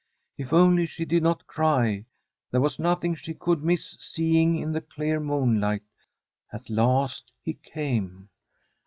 If only she did not cry, there was nothing she could miss seeing in the clear moonlight At last he came.